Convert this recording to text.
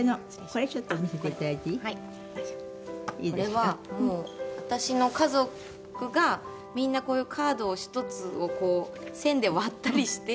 これは私の家族がみんなこういうカード一つを線で割ったりして。